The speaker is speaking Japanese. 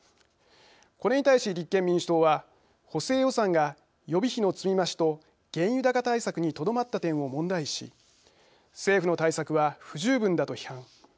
これに対し、立憲民主党は補正予算が予備費の積み増しと原油高対策にとどまった点を問題視し政府の対策は不十分だと批判。